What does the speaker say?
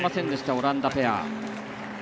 オランダペア。